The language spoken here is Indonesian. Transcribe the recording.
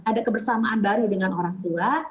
ada kebersamaan baru dengan orang tua